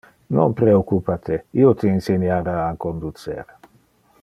Non preoccupa te! Io te inseniara a conducer.